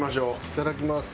いただきます。